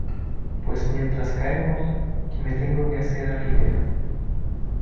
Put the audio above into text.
pues mientras caemos, que me tengo que hacer a la idea